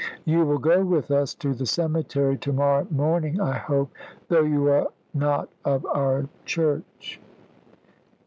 You will go with us to the cemetery to morrow morning, I hope, though you are not of our Church."